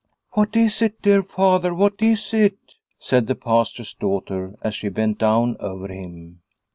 " What is it, dear Father, what is it ?" said the Pastor's daughter as she bent down over him.